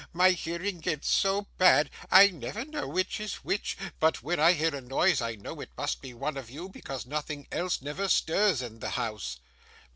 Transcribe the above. My hearing gets so bad, I never know which is which; but when I hear a noise, I know it must be one of you, because nothing else never stirs in the house.